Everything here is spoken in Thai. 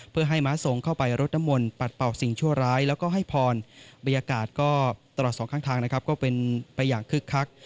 เพื่อให้ม้าทรงเข้าไปรดน้ำมนต์ปัดเป่าสิ่งชั่วร้ายแล้วก็ให้พรบรรยากาศก็ตลอดสองข้างทางนะครับก็เป็นไปอย่างคึกคัก